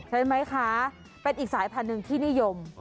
ใช่ไหมคะเป็นอีกสายพันธุ์หนึ่งที่นิยม